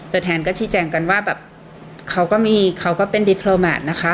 ตัวแทนก็ชี้แจ่งกันว่าแบบเขาก็เป็นดิพลอแมตนะคะ